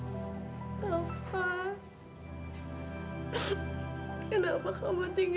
sampai jumpa di video selanjutnya